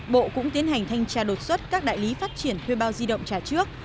bộ cũng tiến hành thanh tra đột xuất các đại lý phát triển thuê bao di động trả trước